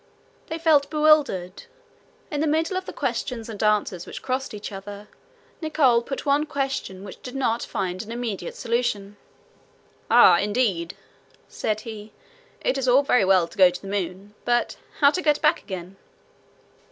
They felt bewildered. In the middle of the questions and answers which crossed each other, Nicholl put one question which did not find an immediate solution. "Ah, indeed!" said he; "it is all very well to go to the moon, but how to get back again?"